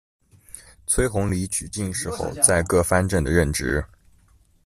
崔弘礼举进士后，在各藩镇的任职。